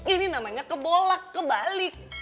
ini namanya kebolak kebalik